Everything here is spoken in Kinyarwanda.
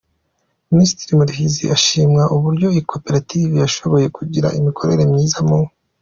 Minisitiri Murekezi ashima uburyo iyi Koperative yashoboye kugira imikorere myiza mu.